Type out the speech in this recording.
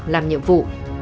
làm nhiệm vụ